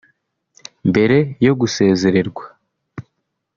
Mbere yo gusezererwa